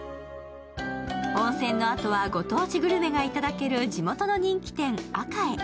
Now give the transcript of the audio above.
温泉のあとはご当地グルメがいただける地元の人気店、あかへ。